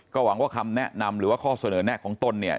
หวังว่าคำแนะนำหรือว่าข้อเสนอแนะของตนเนี่ย